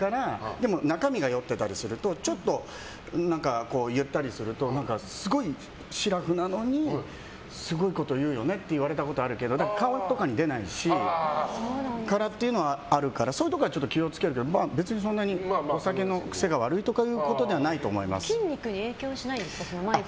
でも、中身が酔ってたりするとちょっと言ったりするとすごい、しらふなのにすごいことを言うよねって言われたことあるけど顔とかに出ないからっていうのはあるけどそういうところは気を付けるけど別にそんなにお酒の癖が筋肉に影響しないんですか？